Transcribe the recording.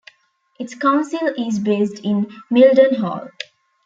Its council is based in Mildenhall.